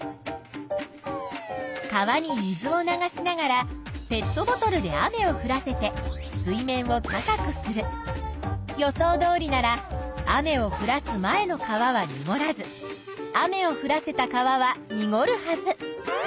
川に水を流しながらペットボトルで雨をふらせて水面を高くする。予想どおりなら雨をふらす前の川はにごらず雨をふらせた川はにごるはず。